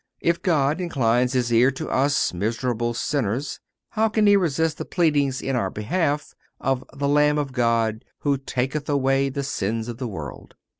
If God inclines His ear to us miserable sinners, how can He resist the pleadings in our behalf of the "Lamb of God who taketh away the sins of the world."